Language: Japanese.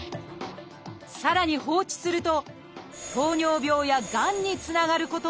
さらに放置すると「糖尿病」や「がん」につながることもあるんです。